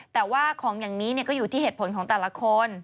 แต่ว่าของอย่างนี้ก็อยู่ที่เหตุผลของแต่ละคน